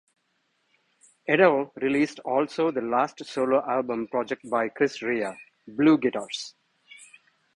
Edel released also the last solo album project by Chris Rea, "Blue Guitars".